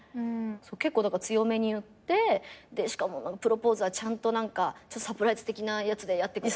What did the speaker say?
結構だから強めに言ってしかもプロポーズはちゃんとサプライズ的なやつでやってくれ。